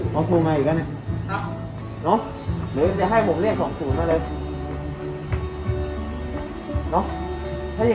อ๋อโมงไงอีกแล้วเนี่ย